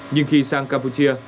nhưng khi sang campuchia